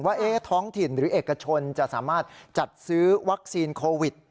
ว่าท้องถิ่นหรือเอกชนจะสามารถจัดซื้อวัคซีนโควิด